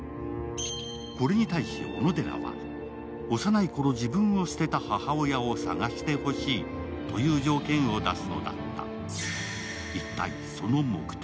これに対し小野寺は幼いころ自分を捨てた母親を捜してほしいという条件を出すのだった。